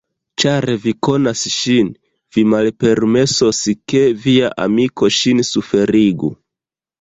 Ĉar vi konas ŝin, vi malpermesos, ke via amiko ŝin suferigu.